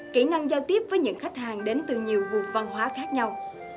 kỹ năng giao tiếp với những khách hàng đến từ nhiều vùng văn hóa khác nhau